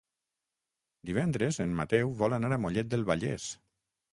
Divendres en Mateu vol anar a Mollet del Vallès.